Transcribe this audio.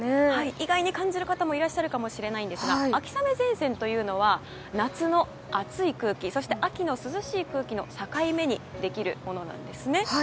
意外に感じる方もいらっしゃるかと思いますが秋雨前線というのは夏の暑い空気そして秋の涼しい空気の境目にできるものなんです。